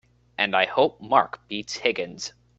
And I hope Mark beats Higgins!